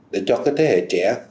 để cho cái thế hệ trẻ